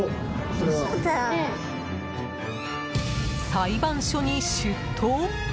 裁判所に出頭？